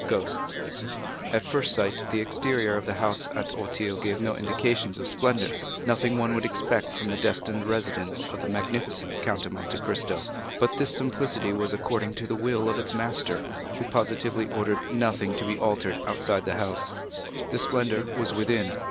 Ghosts At first sight, the exterior of the house at Auteuil gave no indications of splendor, nothing one would expect from the destined residence of the magnificent Count of Monte Cristo; but this simplicity was according to the will of its master, who positively ordered nothing to be altered outside. The splendor was within.